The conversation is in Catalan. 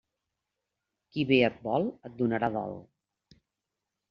Qui bé et vol et donarà dol.